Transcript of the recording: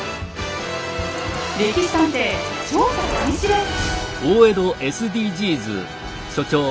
「歴史探偵」調査開始です。